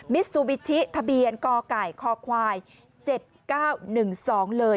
ซูบิชิทะเบียนกไก่คควาย๗๙๑๒เลย